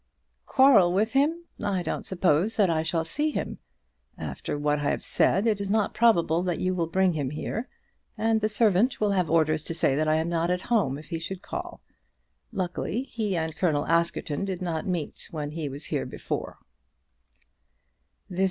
"Quarrel with him! I don't suppose that I shall see him. After what I have said it is not probable that you will bring him here, and the servant will have orders to say that I am not at home if he should call. Luckily he and Colonel Askerton did not meet when he was here before."